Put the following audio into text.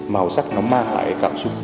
màu sắc nó ma hải cảm xúc